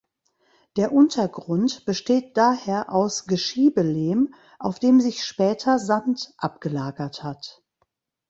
Der Untergrund besteht daher aus Geschiebelehm, auf dem sich später Sand abgelagert hat.